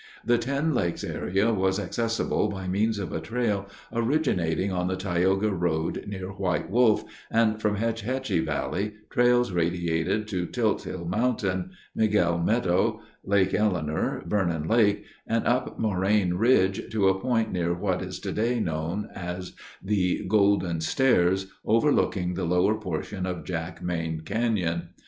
The Ten Lakes area was accessible by means of a trail originating on the Tioga Road near White Wolf, and from Hetch Hetchy Valley trails radiated to Tiltill Mountain, Miguel Meadow, Lake Eleanor, Vernon Lake, and up Moraine Ridge to a point near what is today known as the "Golden Stairs," overlooking the lower portion of Jack Main Canyon.